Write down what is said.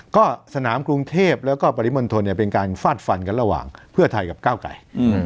ก็สนามกรุงเทพแล้วก็ปริมณฑลเป็นการฟาดฟันกันระหว่างเพื่อไทยกับก้าวไก่